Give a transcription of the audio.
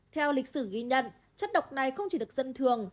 theo lịch sử ghi nhận chất độc này không chỉ được dân thường